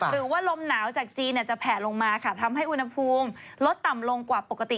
ลมหนาวจากจีนจะแผลลงมาค่ะทำให้อุณหภูมิลดต่ำลงกว่าปกติ